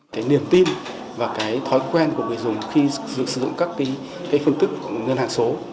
cái niềm tin và cái thói quen của người dùng khi sử dụng các phương tức ngân hàng số